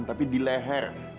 tapi di leher